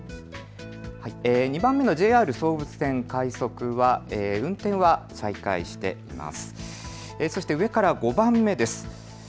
２番目のＪＲ総武線快速は運転は再開しています。